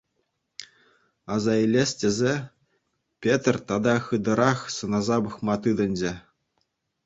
Аса илес тесе, Петр тата хытӑрах сӑнаса пӑхма тытӑнчӗ.